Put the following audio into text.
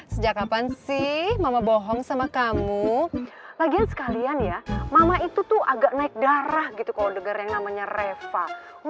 sejak kapan sih mama bohong sama kamu lagian sekalian ya mama itu tuh agak naik darah gitu kalau dengar yang namanya reva